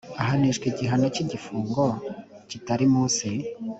ahanishwa igihano cy igifungo kitari munsi